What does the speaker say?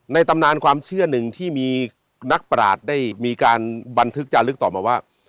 ตำนานความเชื่อหนึ่งที่มีนักปราศได้มีการบันทึกจาลึกต่อมาว่า